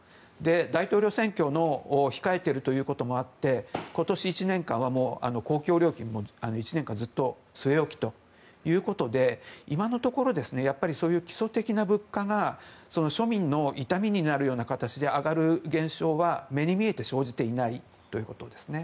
大統領選挙を控えているということもあって今年１年間は、公共料金も１年間ずっと据え置きということで今のところそういう基礎的な物価は庶民の痛みになるような形で上がる現象は目に見えて生じていないということですね。